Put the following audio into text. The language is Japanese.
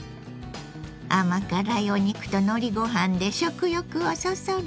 甘辛いお肉とのりご飯で食欲をそそるわ。